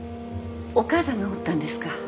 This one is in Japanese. お母さんが折ったんですか？